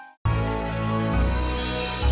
rasanya jadi sedikit main